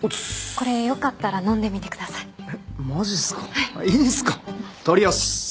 これよかったら飲んでみてください。